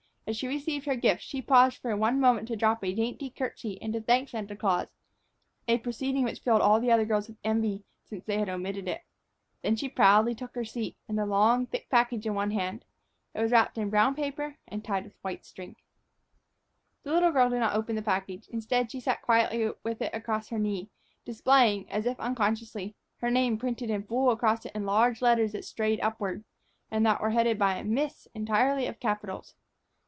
As she received her gift, she paused for one moment to drop a dainty curtsy and to thank Santa Claus, a proceeding which filled all the other girls with envy, since they had omitted it. Then she proudly took her seat, the long, thick package in one hand. It was wrapped in brown paper and tied with white string. The little girl did not open the package; instead, she sat quietly with it across her knee, displaying, as if unconsciously, her name printed in full across it in large letters that strayed upward, and that were headed by a "Miss" entirely of capitals.